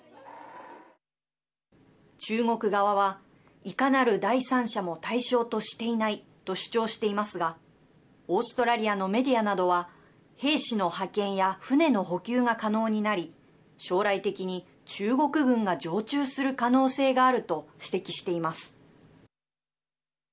中国側は、いかなる第三者も対象としていないと主張していますがオーストラリアのメディアなどは兵士の派遣や船の補給が可能になり将来的に中国軍が常駐する可能性があると指摘しています。